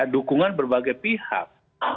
dukungan berbagai pihak